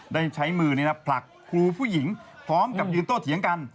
ได้ใช้มือผลักครูผู้หญิงพร้อมกับยืนโต้เถียงกัน